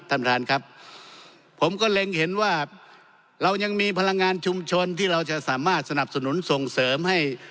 ท่านประธานครับผมก็เล็งเห็นว่าเรายังมีพลังงานชุมชนที่เราจะสามารถสนับสนุนส่งเสริมให้